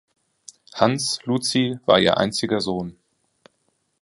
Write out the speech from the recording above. Hans Luzi war ihr einziger Sohn.